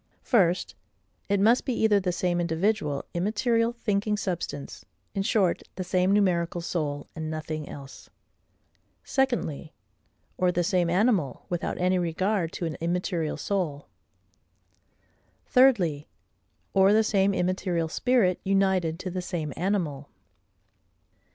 First, it must be either the same individual, immaterial, thinking substance; in short, the same numerical soul, and nothing else. Secondly, or the same animal, without any regard to an immaterial soul. Thirdly, or the same immaterial spirit united to the same animal.